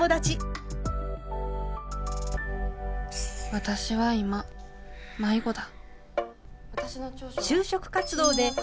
私は今迷子だ。